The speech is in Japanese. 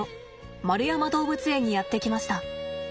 円山動物園にやって来ました。